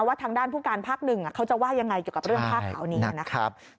ทางด้านผู้การภาคหนึ่งเขาจะว่ายังไงเกี่ยวกับเรื่องผ้าขาวนี้นะครับ